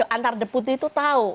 antara deputi itu tahu